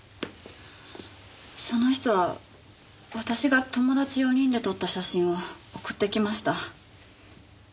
その人は私が友達４人で撮った写真を送ってきました。